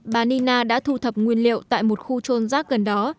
bà nina đã thu thập nguyên liệu tại một khu trôn rác gần đó